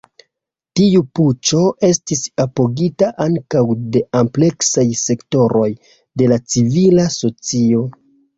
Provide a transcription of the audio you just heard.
Tiu puĉo estis apogita ankaŭ de ampleksaj sektoroj de la civila socio.